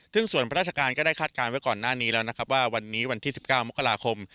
ซึ่งส่วนราชการก็ได้คาดการณ์ไว้ก่อนหน้านี้แล้วนะครับว่าวันนี้วันที่๑๙มกราคม